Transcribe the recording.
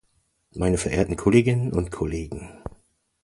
Meine verehrten Kolleginnen und Kollegen!